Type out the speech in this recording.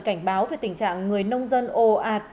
cảnh báo về tình trạng người nông dân ồ ạt